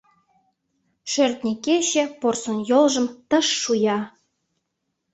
Шӧртньӧ кече Порсын йолжым Тыш шуя.